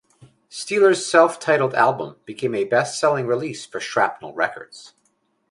Steeler's self-titled album became a best selling release for Shrapnel Records.